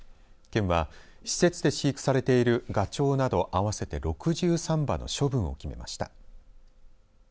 県は施設で飼育されているがちょうなど合わせて６３羽の処分を決めました。